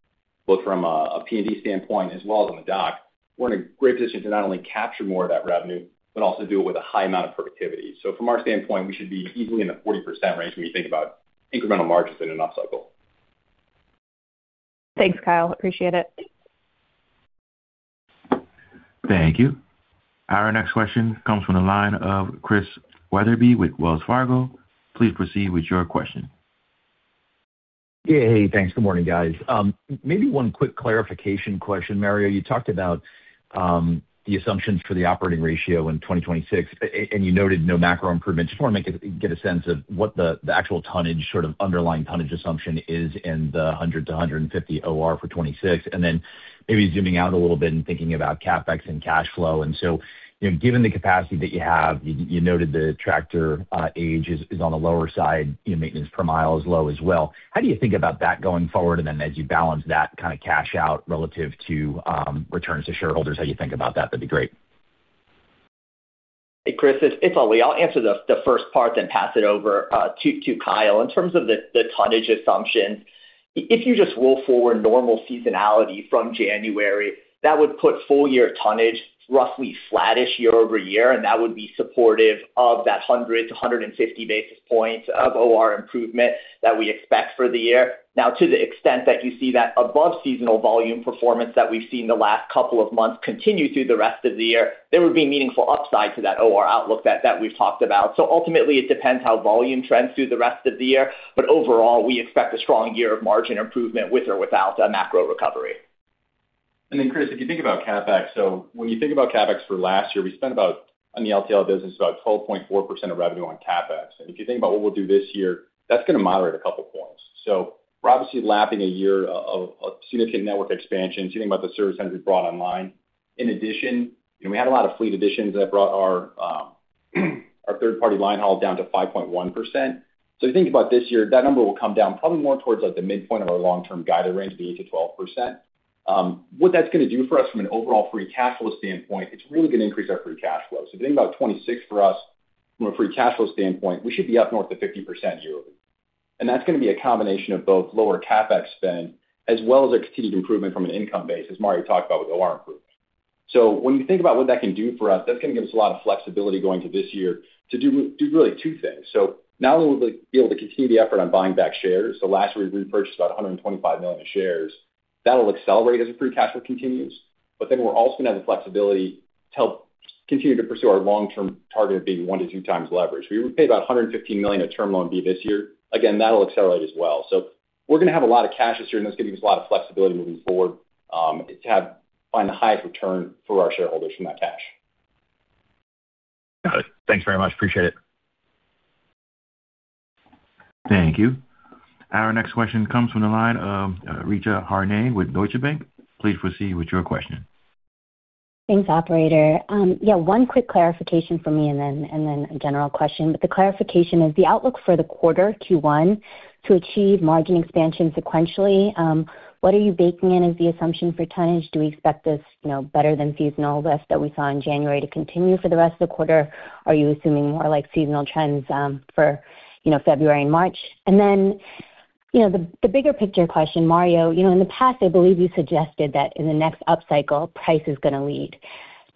both from a P&D standpoint as well as on the dock, we're in a great position to not only capture more of that revenue but also do it with a high amount of productivity. So from our standpoint, we should be easily in the 40% range when you think about incremental margins in an upcycle. Thanks, Kyle. Appreciate it. Thank you. Our next question comes from the line of Chris Wetherbee with Wells Fargo. Please proceed with your question. Yeah. Hey. Thanks. Good morning, guys. Maybe one quick clarification question, Mario. You talked about the assumptions for the operating ratio in 2026, and you noted no macro improvement. Just want to get a sense of what the actual tonnage sort of underlying tonnage assumption is in the 100-150 OR for 2026. And then maybe zooming out a little bit and thinking about CapEx and cash flow. And so given the capacity that you have, you noted the tractor age is on the lower side, maintenance per mile is low as well. How do you think about that going forward? And then as you balance that kind of cash out relative to returns to shareholders, how you think about that, that'd be great. Hey, Chris. It's Ali. I'll answer the first part, then pass it over to Kyle. In terms of the tonnage assumptions, if you just roll forward normal seasonality from January, that would put full-year tonnage roughly flatish year over year, and that would be supportive of that 100-150 basis points of OR improvement that we expect for the year. Now, to the extent that you see that above-seasonal volume performance that we've seen the last couple of months continue through the rest of the year, there would be meaningful upside to that OR outlook that we've talked about. So ultimately, it depends how volume trends through the rest of the year. But overall, we expect a strong year of margin improvement with or without a macro recovery. Then, Chris, if you think about CapEx, so when you think about CapEx for last year, we spent about, on the LTL business, about 12.4% of revenue on CapEx. If you think about what we'll do this year, that's going to moderate a couple of points. We're obviously lapping a year of significant network expansion, seeing about the service centers we brought online. In addition, we had a lot of fleet additions that brought our third-party line haul down to 5.1%. If you think about this year, that number will come down probably more towards the midpoint of our long-term guidance range, the 8%-12%. What that's going to do for us from an overall free cash flow standpoint, it's really going to increase our free cash flow. So if you think about 2026 for us from a free cash flow standpoint, we should be up north of 50% year-over-year. And that's going to be a combination of both lower CapEx spend as well as a continued improvement from an income base, as Mario talked about with OR improvement. So when you think about what that can do for us, that's going to give us a lot of flexibility going into this year to do really two things. So not only will we be able to continue the effort on buying back shares - the last year we repurchased about 125 million of shares - that'll accelerate as the free cash flow continues. But then we're also going to have the flexibility to continue to pursue our long-term target of being 1x-2x leverage. We would pay about $115 million of Term loan B this year. Again, that'll accelerate as well. So we're going to have a lot of cash this year, and that's going to give us a lot of flexibility moving forward to find the highest return for our shareholders from that cash. Got it. Thanks very much. Appreciate it. Thank you. Our next question comes from the line of Richa Harnain with Deutsche Bank. Please proceed with your question. Thanks, operator. Yeah. One quick clarification from me and then a general question. But the clarification is the outlook for the quarter, Q1, to achieve margin expansion sequentially, what are you baking in as the assumption for tonnage? Do we expect this better-than-seasonal lift that we saw in January to continue for the rest of the quarter, or are you assuming more seasonal trends for February and March? And then the bigger-picture question, Mario, in the past, I believe you suggested that in the next upcycle, price is going to lead.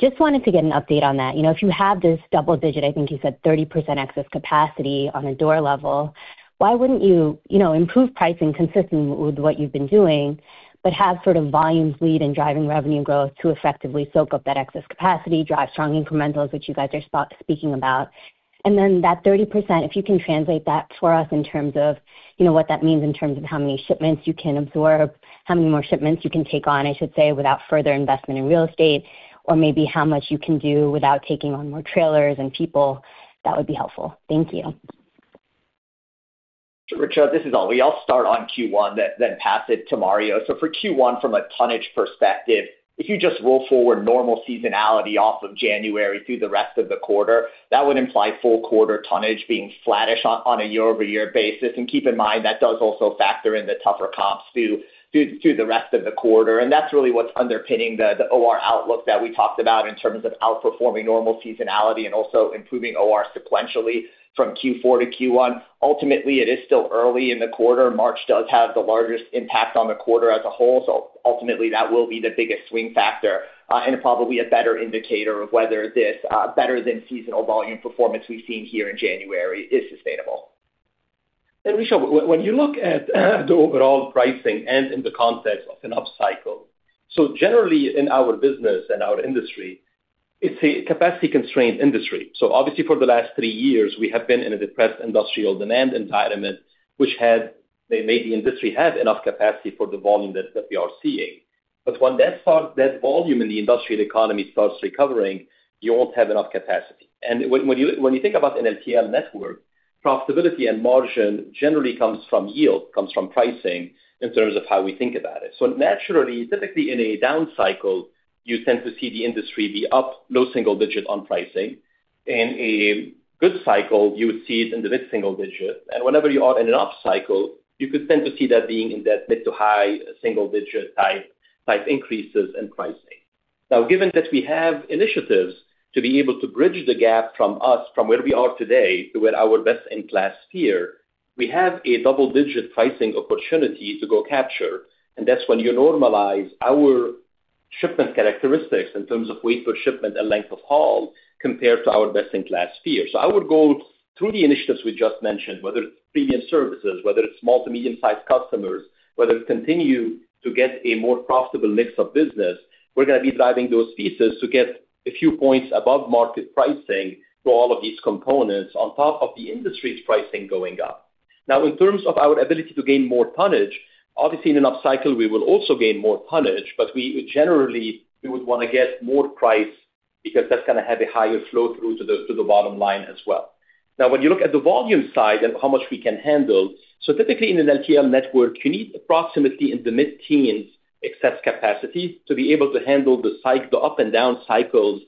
Just wanted to get an update on that. If you have this double-digit I think you said 30% excess capacity - on a door level, why wouldn't you improve pricing consistently with what you've been doing but have sort of volumes lead and driving revenue growth to effectively soak up that excess capacity, drive strong incrementals, which you guys are speaking about? And then that 30%, if you can translate that for us in terms of what that means in terms of how many shipments you can absorb, how many more shipments you can take on, I should say, without further investment in real estate, or maybe how much you can do without taking on more trailers and people, that would be helpful. Thank you. Sure, Richard. This is Ali. We all start on Q1, then pass it to Mario. So for Q1, from a tonnage perspective, if you just roll forward normal seasonality off of January through the rest of the quarter, that would imply full-quarter tonnage being flatish on a year-over-year basis. Keep in mind that does also factor in the tougher comps through the rest of the quarter. That's really what's underpinning the OR outlook that we talked about in terms of outperforming normal seasonality and also improving OR sequentially from Q4 to Q1. Ultimately, it is still early in the quarter. March does have the largest impact on the quarter as a whole. Ultimately, that will be the biggest swing factor and probably a better indicator of whether this better-than-seasonal volume performance we've seen here in January is sustainable. Richa, when you look at the overall pricing and in the context of an upcycle, so generally, in our business and our industry, it's a capacity-constrained industry. So obviously, for the last three years, we have been in a depressed industrial demand environment, which had made the industry have enough capacity for the volume that we are seeing. But when that volume in the industrial economy starts recovering, you won't have enough capacity. And when you think about an LTL network, profitability and margin generally comes from yield, comes from pricing in terms of how we think about it. So naturally, typically, in a downcycle, you tend to see the industry be up low single-digit on pricing. In a good cycle, you would see it in the mid-single-digit. Whenever you are in an upcycle, you could tend to see that being in that mid- to high single-digit-type increases in pricing. Now, given that we have initiatives to be able to bridge the gap from us, from where we are today, to where our best in class here, we have a double-digit pricing opportunity to go capture. That's when you normalize our shipment characteristics in terms of weight per shipment and length of haul compared to our best in class here. Our goal, through the initiatives we just mentioned, whether it's premium services, whether it's small- to medium-sized customers, whether it's continue to get a more profitable mix of business, we're going to be driving those pieces to get a few points above market pricing for all of these components on top of the industry's pricing going up. Now, in terms of our ability to gain more tonnage, obviously, in an upcycle, we will also gain more tonnage. But generally, we would want to get more price because that's going to have a higher flow through to the bottom line as well. Now, when you look at the volume side and how much we can handle so typically, in an LTL network, you need approximately in the mid-teens excess capacity to be able to handle the up and down cycles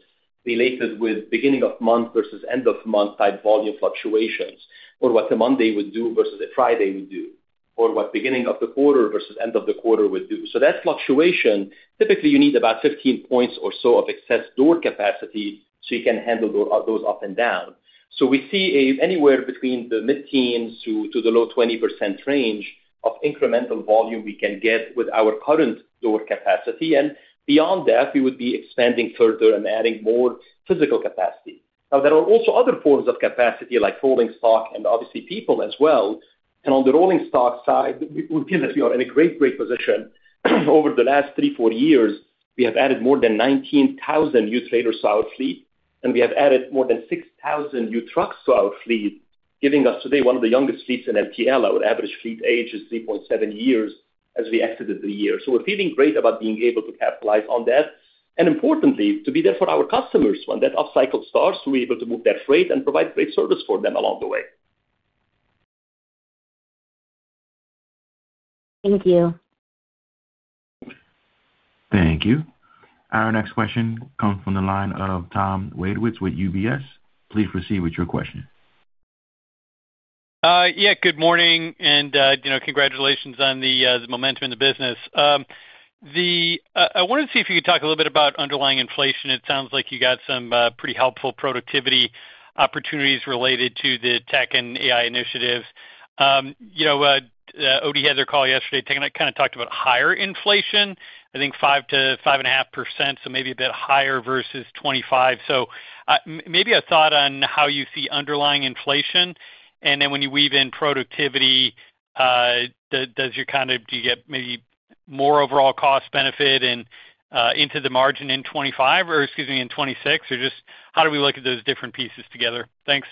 related with beginning of month versus end of month type volume fluctuations or what a Monday would do versus a Friday would do or what beginning of the quarter versus end of the quarter would do. So that fluctuation, typically, you need about 15 points or so of excess door capacity so you can handle those up and down. So we see anywhere between the mid-teens to the low 20% range of incremental volume we can get with our current door capacity. Beyond that, we would be expanding further and adding more physical capacity. Now, there are also other forms of capacity like rolling stock and obviously people as well. On the rolling stock side, we feel that we are in a great, great position. Over the last three, four years, we have added more than 19,000 new trailers to our fleet, and we have added more than 6,000 new trucks to our fleet, giving us today one of the youngest fleets in LTL. Our average fleet age is 3.7 years as we exited the year. We're feeling great about being able to capitalize on that. Importantly, to be there for our customers when that upcycle starts, so we're able to move that freight and provide great service for them along the way. Thank you. Thank you. Our next question comes from the line of Tom Wadewitz with UBS. Please proceed with your question. Yeah. Good morning and congratulations on the momentum in the business. I wanted to see if you could talk a little bit about underlying inflation. It sounds like you got some pretty helpful productivity opportunities related to the tech and AI initiatives. OD had their call yesterday, kind of talked about higher inflation, I think 5%-5.5%, so maybe a bit higher versus 2025. So maybe a thought on how you see underlying inflation. And then when you weave in productivity, do you get maybe more overall cost benefit into the margin in 2025 or excuse me, in 2026, or just how do we look at those different pieces together? Thanks.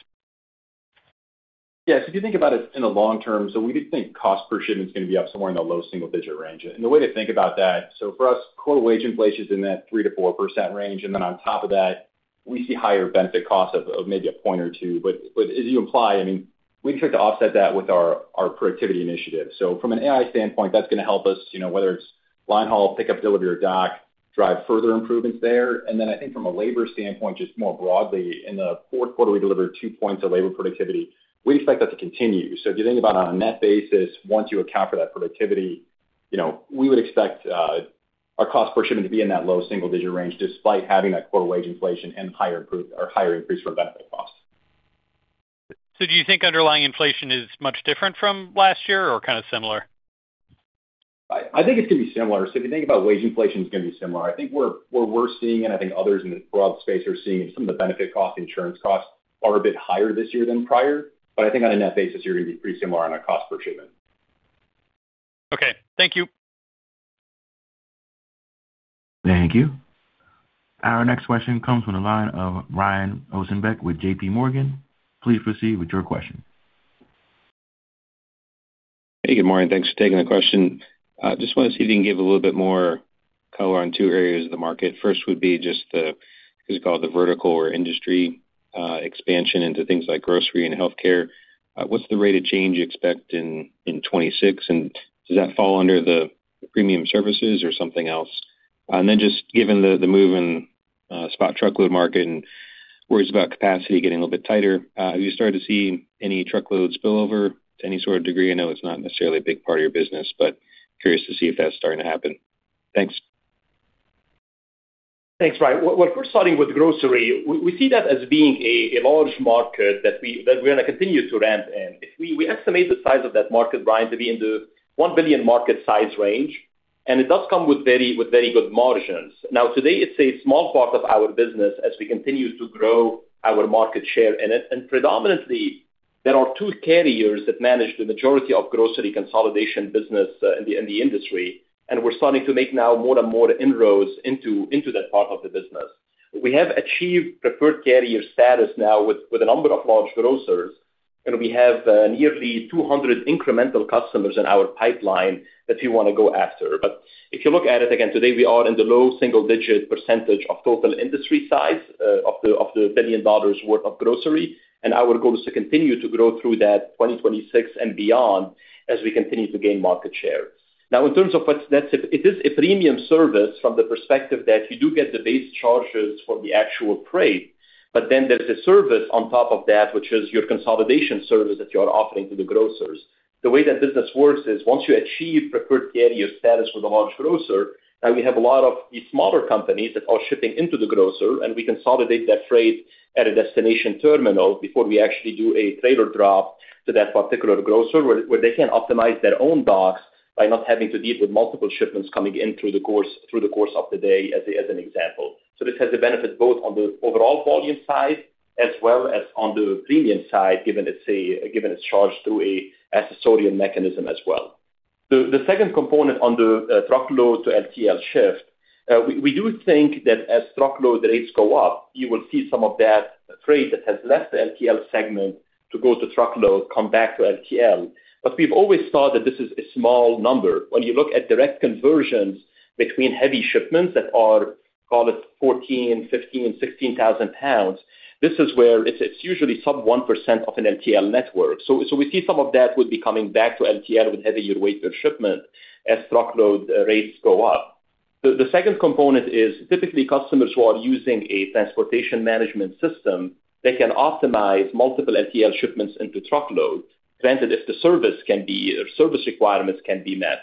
Yeah. So if you think about it in the long term, so we did think cost per shipment's going to be up somewhere in the low single-digit range. And the way to think about that so for us, core wage inflation's in that 3%-4% range. And then on top of that, we see higher benefit cost of maybe a point or two. But as you imply, I mean, we expect to offset that with our productivity initiative. So from an AI standpoint, that's going to help us, whether it's line haul, pickup, delivery, or dock, drive further improvements there. And then I think from a labor standpoint, just more broadly, in the fourth quarter, we delivered two points of labor productivity. We expect that to continue. If you think about on a net basis, once you account for that productivity, we would expect our cost per shipment to be in that low single-digit range despite having that core wage inflation and higher increase from benefit cost. Do you think underlying inflation is much different from last year or kind of similar? I think it's going to be similar. So if you think about wage inflation, it's going to be similar. I think we're also seeing it. I think others in the broad space are seeing it. Some of the benefit costs, insurance costs are a bit higher this year than prior. But I think on a net basis, you're going to be pretty similar on our cost per shipment. Okay. Thank you. Thank you. Our next question comes from the line of Brian Ossenbeck with JPMorgan. Please proceed with your question. Hey. Good morning. Thanks for taking the question. Just want to see if you can give a little bit more color on two areas of the market. First would be just the, as you call it, the vertical or industry expansion into things like grocery and healthcare. What's the rate of change you expect in 2026? And does that fall under the premium services or something else? And then just given the move in spot truckload market and worries about capacity getting a little bit tighter, have you started to see any truckload spillover to any sort of degree? I know it's not necessarily a big part of your business, but curious to see if that's starting to happen. Thanks. Thanks, Brian. Well, first starting with grocery, we see that as being a large market that we're going to continue to ramp in. We estimate the size of that market, Brian, to be in the $1 billion market size range, and it does come with very good margins. Now, today, it's a small part of our business as we continue to grow our market share in it. And predominantly, there are two carriers that manage the majority of grocery consolidation business in the industry. And we're starting to make now more and more inroads into that part of the business. We have achieved preferred carrier status now with a number of large grocers. And we have nearly 200 incremental customers in our pipeline that we want to go after. But if you look at it, again, today, we are in the low single-digit percent of total industry size of the $1 billion worth of grocery. And our goal is to continue to grow through that 2026 and beyond as we continue to gain market share. Now, in terms of what's that it is a premium service from the perspective that you do get the base charges for the actual freight. But then there's a service on top of that, which is your consolidation service that you are offering to the grocers. The way that business works is once you achieve preferred carrier status with a large grocer, now we have a lot of these smaller companies that are shipping into the grocer. And we consolidate that freight at a destination terminal before we actually do a trailer drop to that particular grocer where they can optimize their own docks by not having to deal with multiple shipments coming in through the course of the day, as an example. So this has a benefit both on the overall volume side as well as on the premium side given it's charged through an accessorial mechanism as well. The second component on the truckload to LTL shift, we do think that as truckload rates go up, you will see some of that freight that has left the LTL segment to go to truckload come back to LTL. But we've always thought that this is a small number. When you look at direct conversions between heavy shipments that are, call it, 14,000, 15,000, 16,000 pounds, this is where it's usually sub 1% of an LTL network. So we see some of that would be coming back to LTL with heavier weight per shipment as truckload rates go up. The second component is typically customers who are using a transportation management system. They can optimize multiple LTL shipments into truckload, granted if the service requirements can be met.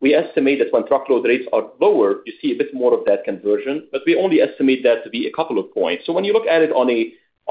We estimate that when truckload rates are lower, you see a bit more of that conversion. But we only estimate that to be a couple of points. So when you look at it on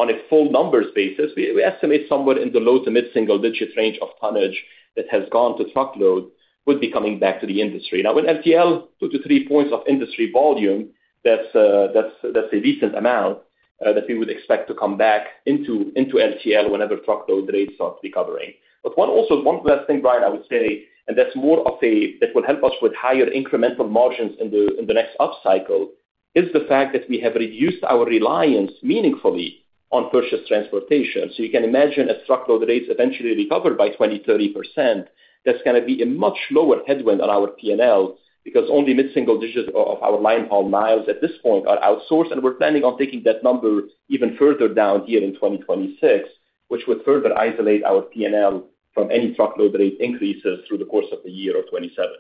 a full numbers basis, we estimate somewhere in the low to mid-single-digit range of tonnage that has gone to truckload would be coming back to the industry. Now, in LTL, 2-3 points of industry volume, that's a decent amount that we would expect to come back into LTL whenever truckload rates start recovering. But also one last thing, Brian, I would say, and that's more of a that will help us with higher incremental margins in the next upcycle, is the fact that we have reduced our reliance meaningfully on purchased transportation. So you can imagine as truckload rates eventually recover by 20%-30%, that's going to be a much lower headwind on our P&L because only mid-single-digit of our line haul miles at this point are outsourced. And we're planning on taking that number even further down here in 2026, which would further isolate our P&L from any truckload rate increases through the course of the year or 2027.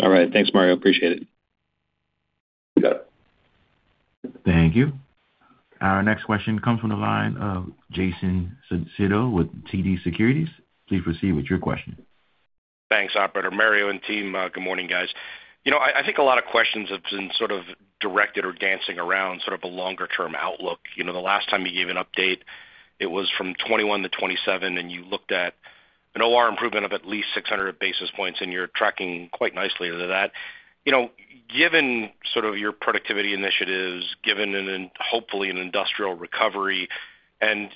All right. Thanks, Mario. Appreciate it. You got it. Thank you. Our next question comes from the line of Jason Seidl with TD Cowen. Please proceed with your question. Thanks, operator. Mario and team. Good morning, guys. I think a lot of questions have been sort of directed or dancing around sort of a longer-term outlook. The last time you gave an update, it was from 2021 to 2027. You're tracking quite nicely to that. Given sort of your productivity initiatives, given hopefully an industrial recovery and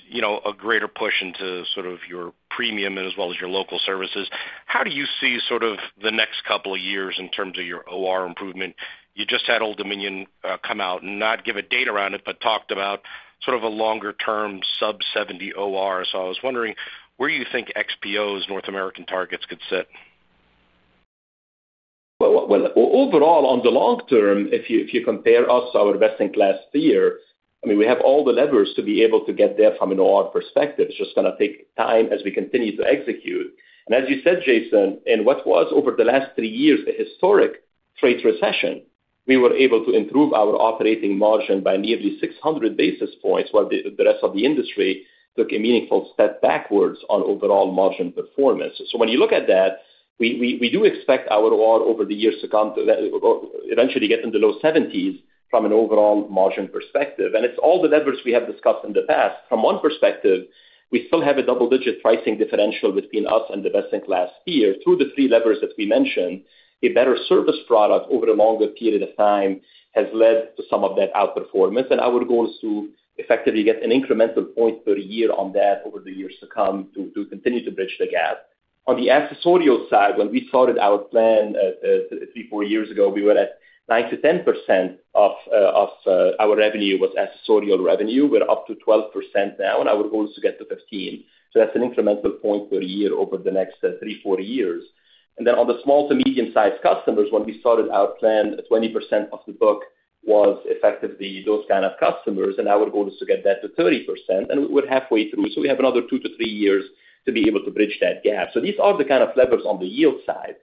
a greater push into sort of your premium as well as your local services, how do you see sort of the next couple of years in terms of your OR improvement? You just had Old Dominion come out, not give a date around it, but talked about sort of a longer-term sub 70 OR. So I was wondering where you think XPO's North American targets could sit. Well, overall, on the long term, if you compare us to our best in class here, I mean, we have all the levers to be able to get there from an OR perspective. It's just going to take time as we continue to execute. And as you said, Jason, in what was over the last three years a historic freight recession, we were able to improve our operating margin by nearly 600 basis points while the rest of the industry took a meaningful step backwards on overall margin performance. So when you look at that, we do expect our OR over the years to eventually get in the low 70s from an overall margin perspective. And it's all the levers we have discussed in the past. From one perspective, we still have a double-digit pricing differential between us and the best in class here. Through the three levers that we mentioned, a better service product over a longer period of time has led to some of that outperformance. Our goal is to effectively get an incremental point per year on that over the years to come to continue to bridge the gap. On the accessorial side, when we started our plan three, four years ago, we were at 9%-10% of our revenue was accessorial revenue. We're up to 12% now. Our goal is to get to 15%. That's an incremental point per year over the next three, four years. Then on the small to medium-sized customers, when we started our plan, 20% of the book was effectively those kind of customers. Our goal is to get that to 30%. We're halfway through. So we have another two to three years to be able to bridge that gap. So these are the kind of levers on the yield side.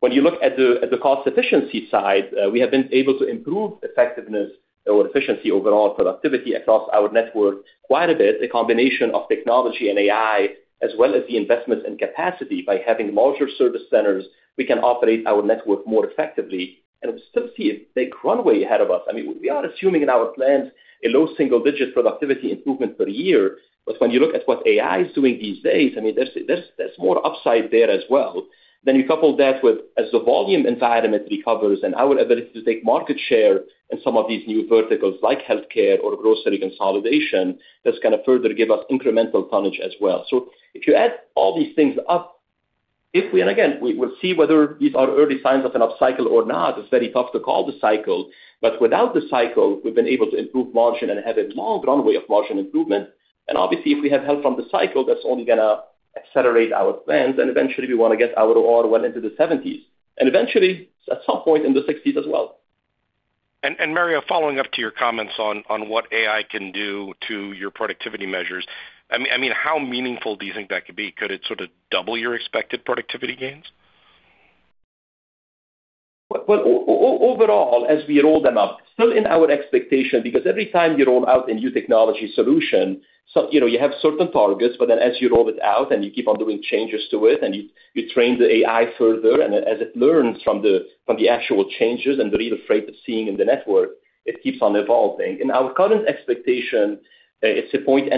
When you look at the cost efficiency side, we have been able to improve effectiveness or efficiency overall productivity across our network quite a bit, a combination of technology and AI as well as the investments in capacity. By having larger service centers, we can operate our network more effectively. And we still see a big runway ahead of us. I mean, we are assuming in our plans a low single-digit productivity improvement per year. But when you look at what AI is doing these days, I mean, there's more upside there as well. Then you couple that with as the volume environment recovers and our ability to take market share in some of these new verticals like healthcare or grocery consolidation, that's going to further give us incremental tonnage as well. So if you add all these things up, and again, we'll see whether these are early signs of an upcycle or not. It's very tough to call the cycle. But without the cycle, we've been able to improve margin and have a long runway of margin improvement. And obviously, if we have help from the cycle, that's only going to accelerate our plans. And eventually, we want to get our OR well into the 70s and eventually at some point in the 60s as well. Mario, following up to your comments on what AI can do to your productivity measures, I mean, how meaningful do you think that could be? Could it sort of double your expected productivity gains? Well, overall, as we roll them up, still in our expectation because every time you roll out a new technology solution, you have certain targets. But then as you roll it out and you keep on doing changes to it and you train the AI further, and as it learns from the actual changes and the real freight it's seeing in the network, it keeps on evolving. In our current expectation, it's 1.5 points.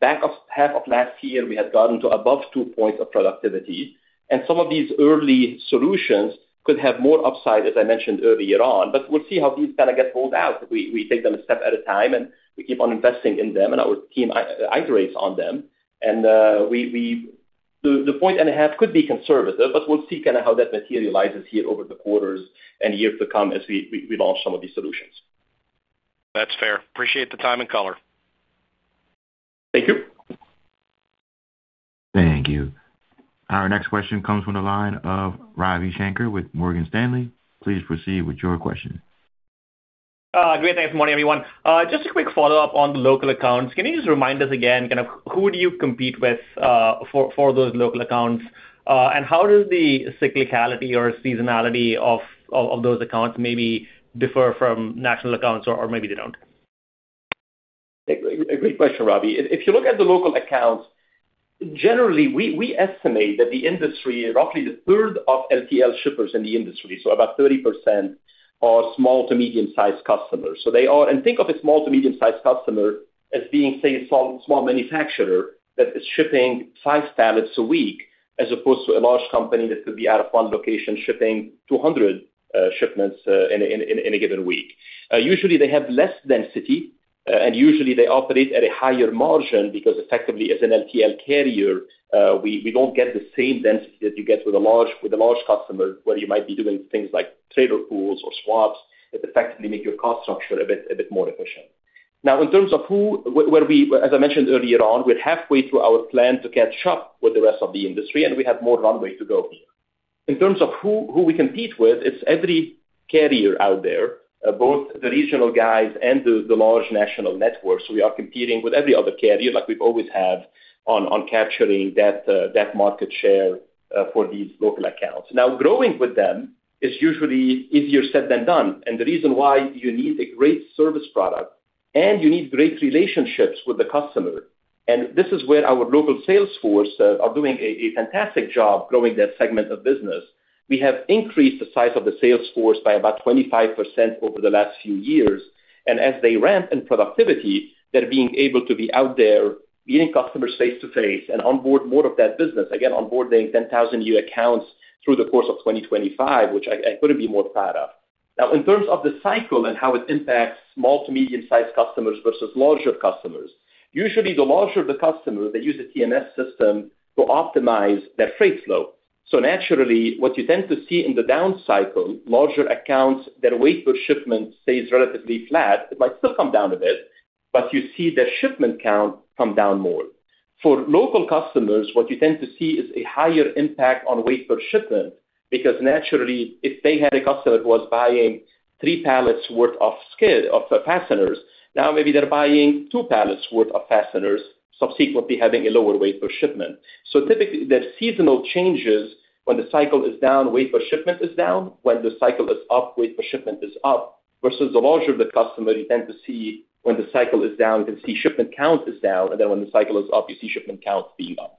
Back half of last year, we had gotten to above two points of productivity. And some of these early solutions could have more upside, as I mentioned earlier on. But we'll see how these kind of get rolled out. We take them a step at a time, and we keep on investing in them. And our team iterates on them. And the 1.5 points could be conservative. But we'll see kind of how that materializes here over the quarters and years to come as we launch some of these solutions. That's fair. Appreciate the time and color. Thank you. Thank you. Our next question comes from the line of Ravi Shanker with Morgan Stanley. Please proceed with your question. Great. Thanks, Mario, everyone. Just a quick follow-up on the local accounts. Can you just remind us again, kind of who do you compete with for those local accounts? And how does the cyclicality or seasonality of those accounts maybe differ from national accounts? Or maybe they don't. A great question, Ravi. If you look at the local accounts, generally, we estimate that the industry, roughly the third of LTL shippers in the industry, so about 30%, are small to medium-sized customers. Think of a small to medium-sized customer as being, say, a small manufacturer that is shipping five pallets a week as opposed to a large company that could be out of one location shipping 200 shipments in a given week. Usually, they have less density. Usually, they operate at a higher margin because effectively, as an LTL carrier, we don't get the same density that you get with a large customer where you might be doing things like trailer pools or swaps that effectively make your cost structure a bit more efficient. Now, in terms of as I mentioned earlier on, we're halfway through our plan to catch up with the rest of the industry. We have more runway to go here. In terms of who we compete with, it's every carrier out there, both the regional guys and the large national network. We are competing with every other carrier like we've always have on capturing that market share for these local accounts. Now, growing with them is usually easier said than done. The reason why you need a great service product, and you need great relationships with the customer and this is where our local salesforce are doing a fantastic job growing that segment of business. We have increased the size of the salesforce by about 25% over the last few years. As they ramp in productivity, they're being able to be out there meeting customers face to face and onboard more of that business, again, onboarding 10,000 new accounts through the course of 2025, which I couldn't be more proud of. Now, in terms of the cycle and how it impacts small to medium-sized customers versus larger customers, usually, the larger the customer, they use a TMS system to optimize their freight flow. So naturally, what you tend to see in the downcycle, larger accounts, their weight per shipment stays relatively flat. It might still come down a bit. But you see their shipment count come down more. For local customers, what you tend to see is a higher impact on weight per shipment because naturally, if they had a customer who was buying three pallets worth of fasteners, now maybe they're buying two pallets worth of fasteners, subsequently having a lower weight per shipment. So typically, there are seasonal changes. When the cycle is down, weight per shipment is down. When the cycle is up, weight per shipment is up. Versus the larger the customer, you tend to see when the cycle is down, you can see shipment count is down. Then when the cycle is up, you see shipment count being up.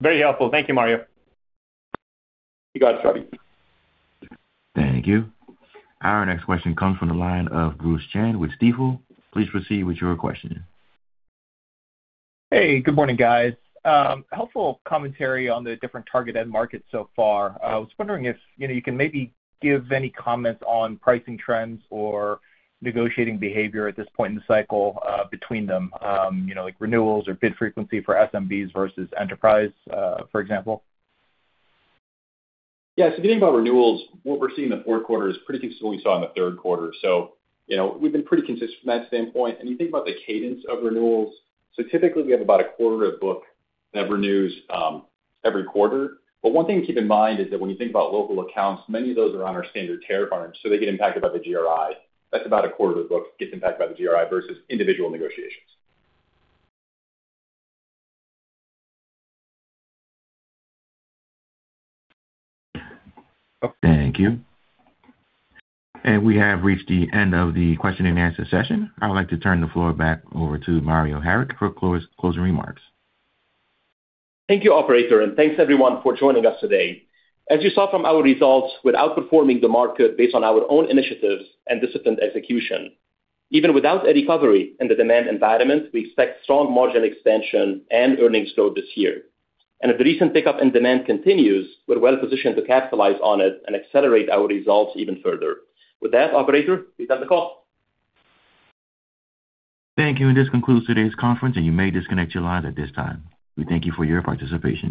Very helpful. Thank you, Mario. You got it, Ravi. Thank you. Our next question comes from the line of Bruce Chan with Stifel. Please proceed with your question. Hey. Good morning, guys. Helpful commentary on the different target end markets so far. I was wondering if you can maybe give any comments on pricing trends or negotiating behavior at this point in the cycle between them, like renewals or bid frequency for SMBs versus enterprise, for example. Yeah. So if you think about renewals, what we're seeing in the fourth quarter is pretty consistent with what we saw in the third quarter. So we've been pretty consistent from that standpoint. You think about the cadence of renewals, so typically, we have about a quarter of book that renews every quarter. But one thing to keep in mind is that when you think about local accounts, many of those are on our standard tariff terms. So they get impacted by the GRI. That's about a quarter of book gets impacted by the GRI versus individual negotiations. Thank you. We have reached the end of the question and answer session. I would like to turn the floor back over to Mario Harik for closing remarks. Thank you, Operator. Thanks, everyone, for joining us today. As you saw from our results, we're outperforming the market based on our own initiatives and disciplined execution. Even without a recovery in the demand environment, we expect strong margin expansion and earnings growth this year. And if the recent pickup in demand continues, we're well positioned to capitalize on it and accelerate our results even further. With that, Operator, we've done the call. Thank you. This concludes today's conference. You may disconnect your lines at this time. We thank you for your participation.